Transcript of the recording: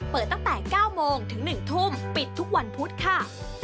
เปิดตั้งแต่๙โมงถึง๑ทุ่มปิดทุกวันพุธค่ะ